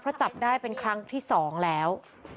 เพราะจับได้เป็นครั้งที่๒แล้ว